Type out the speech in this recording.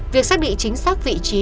việc xác định chính xác vị trí